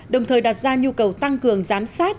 đồng thời đặt ra nhu cầu tăng cường giám sát